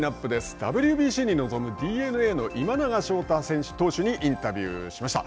ＷＢＣに臨むＤｅＮＡの今永昇太投手にインタビューしました。